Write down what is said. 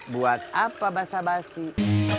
buat apa basah basih